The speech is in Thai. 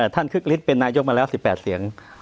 ท่านเครกฤตเป็นนายกมันแล้ว๑๘เสียง